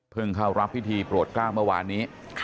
เพิ่งเข้ารับพิธีปลวดกล้าวเมื่อวานนี้